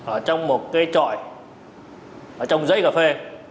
ở trong một cây trọi ở trong giấy cà phê